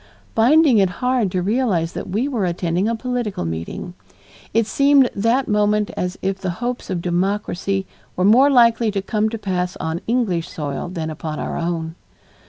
finding it hard to realize that we were attending a political meeting. It seemed that moment as if the hopes of democracy were more likely to come to pass on English soil than upon our own.